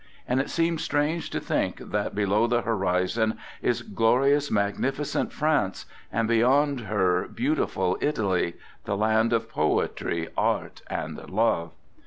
And it seems strange to think that below the horizon is glorious, magnificent France; and beyond her beautiful Italy — the land of poetry, art and love.